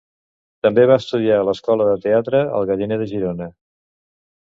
També va estudiar a l'escola de teatre El Galliner de Girona.